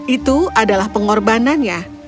itu adalah pengorbanannya